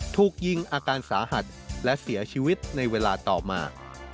ถูกยิงอาการสาหัสและเสียชีวิตในเวลาต่อมา